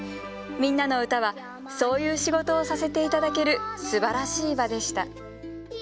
『みんなのうた』はそういう仕事をさせて頂けるすばらしい場でした。